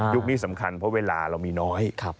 นี้สำคัญเพราะเวลาเรามีน้อย